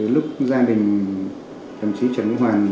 lúc gia đình đồng chí trần quốc hoàn